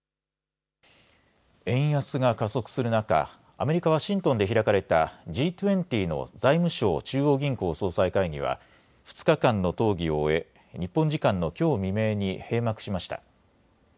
円安が加速する中、アメリカ・ワシントンで開かれたＧ２０の財務相・中央銀行総裁会議は２日間の討議を終え、日本時間のきょう未明に閉幕しました。